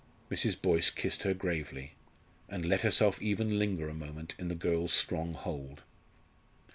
Mrs. Boyce kissed her gravely, and let herself even linger a moment in the girl's strong hold.